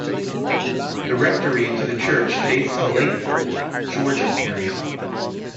The rectory to the church dates to the late Georgian period.